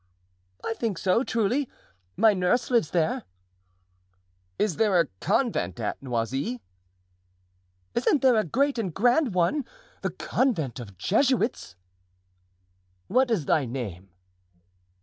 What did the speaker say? "I think so, truly; my nurse lives there." "Is there a convent at Noisy?" "Isn't there a great and grand one—the convent of Jesuits?" "What is thy name?"